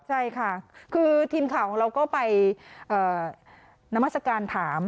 ใช่ค่ะคือทีมข่าวของเราก็ไปนามัศกาลถาม